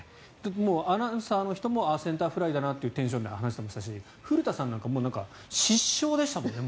アナウンサーの人もセンターフライだなというテンションで話していましたし古田さんなんか失笑でしたもんね。